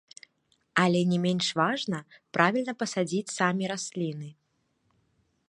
Але не менш важна правільна пасадзіць самі расліны.